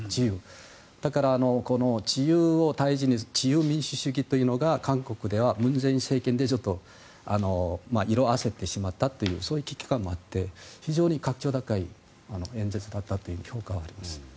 だから、自由を大事自由民主主義というのが韓国では文在寅政権でちょっと色あせてしまったというそういう危機感もあって非常に格調高い演説だったという評価はあります。